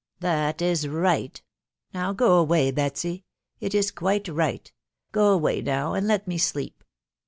" That is right. •.. Now go away, Betsy, •••• it is quite right .... go away now, and let me sleep."